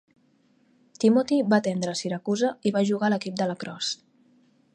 Timothy va atendre a Syracuse i va jugar a l'equip de lacrosse.